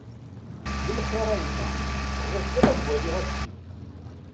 D lxir a yemma, bɣiɣ kan ad waliɣ Akli.